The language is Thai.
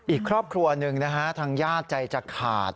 อีกครอบครัวหนึ่งนะฮะทางญาติใจจะขาด